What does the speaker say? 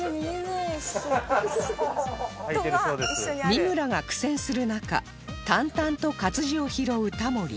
美村が苦戦する中淡々と活字を拾うタモリ